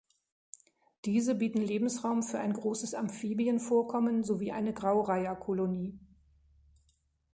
Diese bieten Lebensraum für ein großes Amphibienvorkommen sowie eine Graureiherkolonie.